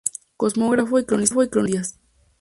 Cosmógrafo y cronista de Indias.